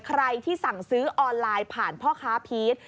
ใครที่สั่งซื้อออนไลน์ผ่านพ่อค้าพีช